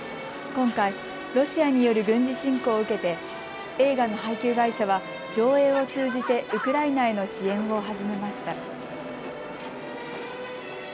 今回、ロシアによる軍事侵攻を受けて映画の配給会社は上映を通じてウクライナへの支援を始めました。